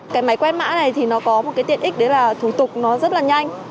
cái máy quét mã này thì nó có một cái tiện ích đấy là thủ tục nó rất là nhanh